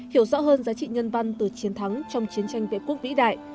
hiểu rõ hơn giá trị nhân văn từ chiến thắng trong chiến tranh vệ quốc vĩ đại